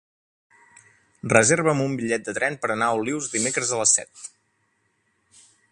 Reserva'm un bitllet de tren per anar a Olius dimecres a les set.